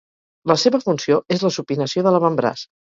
La seva funció és la supinació de l'avantbraç.